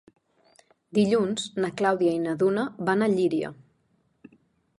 Dilluns na Clàudia i na Duna van a Llíria.